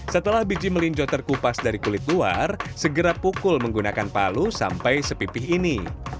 setelah biji melinjo terkupas dari kulit luar segera pukul menggunakan palu sampai sepipih ini